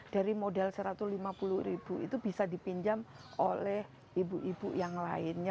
dari modal satu ratus lima puluh ribu itu bisa dipinjam oleh ibu ibu yang lainnya